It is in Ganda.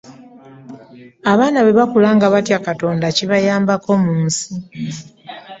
Abaana bwe bakula nga batya Katonda kibayambako mu nsi.